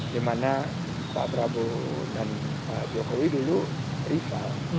dimana pak prabowo dan pak jokowi dulu rival